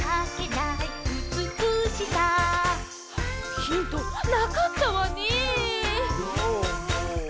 ヒントなかったわね。